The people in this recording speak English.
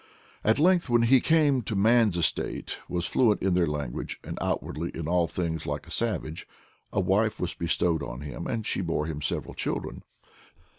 ~"^/ At length, when he came to man's estate, was fluent in their language, and outwardly in all things like a savage, a wife was bestowed on him, and she bore him several children.